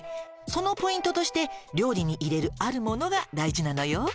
「そのポイントとして料理に入れるあるものが大事なのよ」